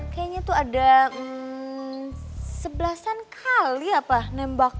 kayaknya tuh ada sebelasan kali apa nembak